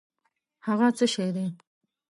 هٔغه څه شی دی؟